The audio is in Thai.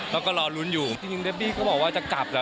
แล้วก็รอลุ้นอยู่จริงเดบบี้เขาบอกว่าจะกลับเหรอ